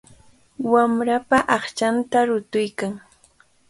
Wamrapa aqchanta rutuykan.